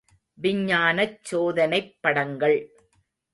விஞ்ஞானச் சோதனைப் படங்கள்.